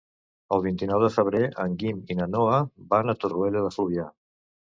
El vint-i-nou de febrer en Guim i na Noa van a Torroella de Fluvià.